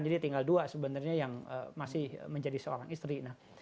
jadi tinggal dua sebenarnya yang masih menjadi seorang istri